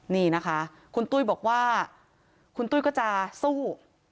นี่นะคะคุณตุ้ยบอกว่าคุณตุ้ยก็จะสู้